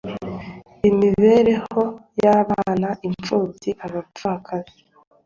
imibereho y abana impfubyi abapfakazi